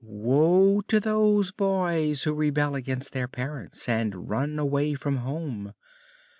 "Woe to those boys who rebel against their parents and run away from home.